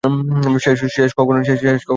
শেষ কখন দেখেছিলে ওকে?